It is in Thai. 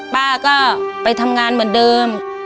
ป้าก็ไปทำงานเหมือนเดิม